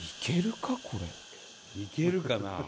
いけるかな？